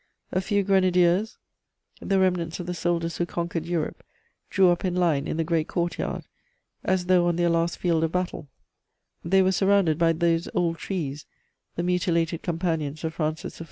A few grenadiers, the remnants of the soldiers who conquered Europe, drew up in line in the great court yard, as though on their last field of battle; they were surrounded by those old trees, the mutilated companions of Francis I.